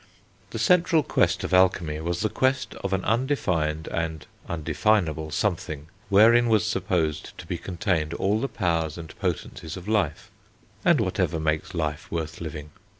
The central quest of alchemy was the quest of an undefined and undefinable something wherein was supposed to be contained all the powers and potencies of life, and whatever makes life worth living.